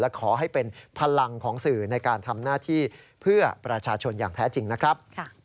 ขอให้เป็นพลังของสื่อในการทำหน้าที่เพื่อประชาชนอย่างแท้จริงนะครับ